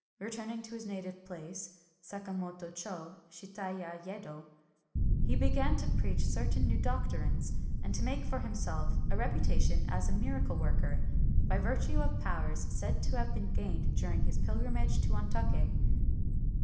Returning to his native place (Sakamoto cho, Shitaya, Yedo), he began to preach certain new doctrines, and to make for himself a reputation as a miracle worker, by virtue of powers said to have been gained during his pil grimage to Ontake.